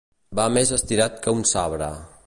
Va més estirat que un sabre.